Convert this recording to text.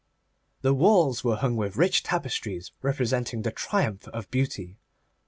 The walls were hung with rich tapestries representing the Triumph of Beauty.